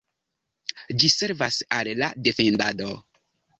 Ĝi servas al la defendado.